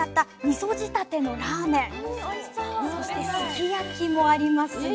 そしてすき焼もありますよ。